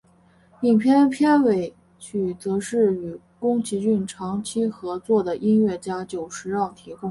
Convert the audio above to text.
影片片尾曲则是与宫崎骏长期合作的音乐家久石让提供。